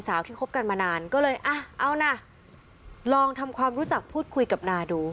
ที่คบกันมานานก็เลยอ่ะเอานะลองทำความรู้จักพูดคุยกับนาดู